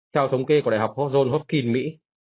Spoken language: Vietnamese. theo thống kê của đại học john hopkins mỹ